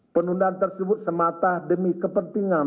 penundaan tersebut semata demi kepentingan